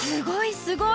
すごい！